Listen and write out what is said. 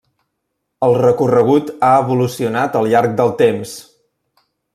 El recorregut ha evolucionat al llarg del temps.